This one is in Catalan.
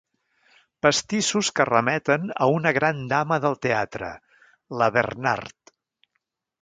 Pastissos que remeten a una gran dama del teatre, la Bernhardt.